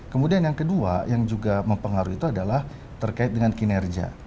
kemudian yang kedua yang juga mempengaruhi itu adalah terkait dengan kinerja